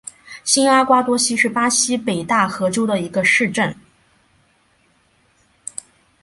新阿瓜多西是巴西北大河州的一个市镇。